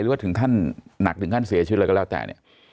หรือว่าถึงท่านหนักถึงท่านเสียชีวิตอะไรก็แล้วแต่